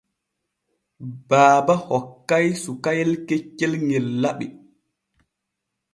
Baaba hokkay sukayel keccel ŋel laɓi.